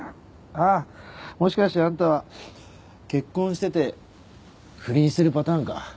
あっもしかしてあんたは結婚してて不倫してるパターンか。